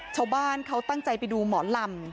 ชาวบ้านเขาตั้งใจไปดูหมอลำ